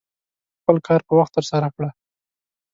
خپل کار په وخت ترسره کړه.